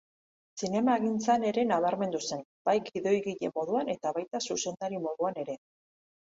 Zinemagintzan ere nabarmendu zen, bai gidoigile moduan eta baita zuzendari moduan ere.